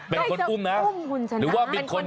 เป็นคนอุ่มนะ